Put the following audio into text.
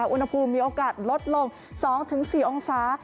อุณหภูมิมีโอกาสลดลง๒๔องศา